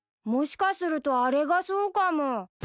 もしかするとあれがそうかも。